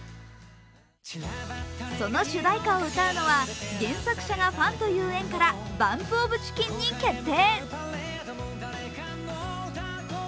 その主題歌を歌うのは原作者がファンという縁からＢＵＭＰＯＦＣＨＩＣＫＥＮに決定。